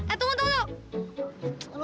eh tunggu tunggu tunggu